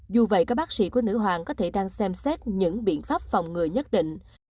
dù vậy các bác sĩ của nữ hoàng có thể đang xem xét những biện pháp phòng ngừa nhất định